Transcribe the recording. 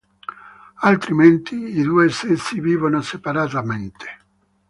Altrimenti i due sessi vivono separatamente.